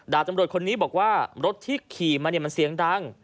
ตำรวจคนนี้บอกว่ารถที่ขี่มาเนี่ยมันเสียงดัง